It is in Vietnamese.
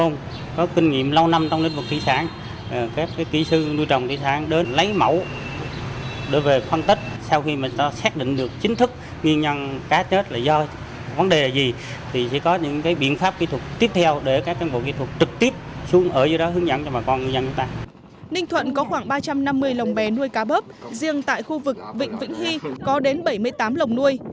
ninh thuận có khoảng ba trăm năm mươi lồng bé nuôi cá bớp riêng tại khu vực vịnh vĩnh hy có đến bảy mươi tám lồng nuôi